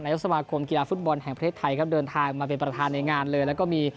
สมาคมกีฬาฟุตบอลแห่งประเทศไทยครับเดินทางมาเป็นประธานในงานเลยแล้วก็มี